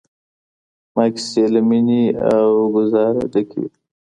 دا کيسې له ميني او ګدازه ډکې وې.